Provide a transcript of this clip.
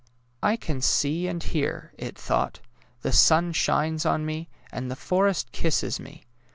" I can see and hear," it thought; '' the sun shines on me, and the forest kisses me.